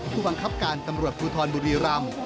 ผู้บังคับการตำรวจภูทรบุรีรำ